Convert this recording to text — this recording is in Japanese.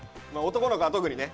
男の子は特にね。